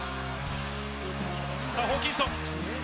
さあ、ホーキンソン。